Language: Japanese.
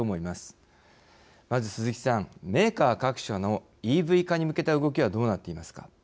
まず鈴木さん、メーカー各社のＥＶ化に向けた動きはどうなっていますか。